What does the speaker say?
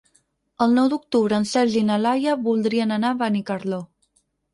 El nou d'octubre en Sergi i na Laia voldrien anar a Benicarló.